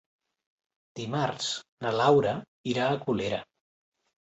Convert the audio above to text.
Dimarts na Laura irà a Colera.